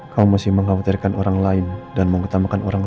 sambil ditimang timang gitu ya om